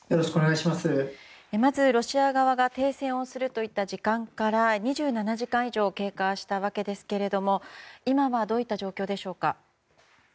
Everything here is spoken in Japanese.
まず、ロシア側が停戦をするといった時間から２７時間以上経過したわけですけれども今はどういった状況でしょうか。